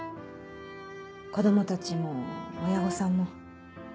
子供たちも親御さんも。